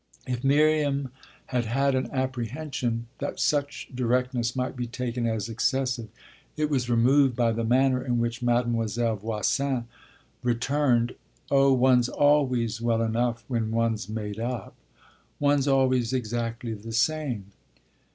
If Miriam had had an apprehension that such directness might be taken as excessive it was removed by the manner in which Mademoiselle Voisin returned: "Oh one's always well enough when one's made up; one's always exactly the same."